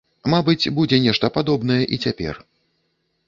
Мабыць, будзе нешта падобнае і цяпер.